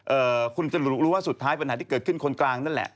คุณจะรู้ว่าสุดท้ายปัญหาที่เกิดขึ้นคนกลางนั่นแหละ